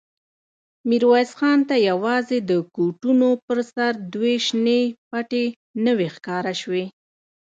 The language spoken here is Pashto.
ميرويس خان ته يواځې د کوټونو پر سر دوې شنې پټې نوې ښکاره شوې.